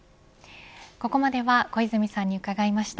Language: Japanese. ここまでは小泉さんに伺いました。